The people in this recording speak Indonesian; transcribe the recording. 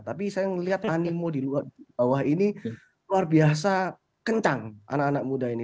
tapi saya melihat animo di bawah ini luar biasa kencang anak anak muda ini